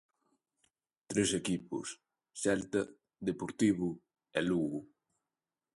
Tres equipos: Celta, Deportivo e Lugo.